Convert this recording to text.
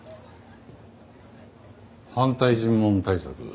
反対尋問対策